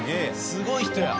すごい人や！